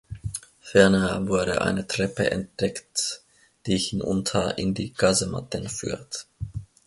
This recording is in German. Ferner wurde eine Treppe entdeckt, die hinunter in die Kasematten führt.